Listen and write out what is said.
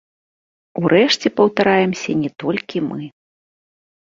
Урэшце, паўтараемся не толькі мы.